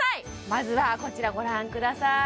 まずはこちらご覧ください